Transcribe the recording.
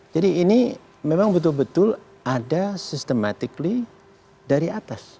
jadi ini memang betul betul ada sistematik dari atas